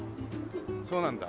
そうなんだ。